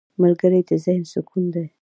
ملګری د ذهن سکون دی